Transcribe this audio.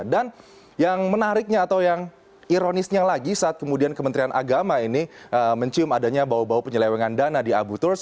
dan yang menariknya atau yang ironisnya lagi saat kemudian kementerian agama ini mencium adanya bau bau penyelewengan dana di abuturs